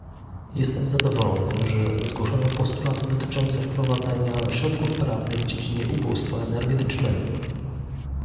Jestem zadowolony, że zgłoszono postulaty dotyczące wprowadzenia środków prawnych w dziedzinie ubóstwa energetycznego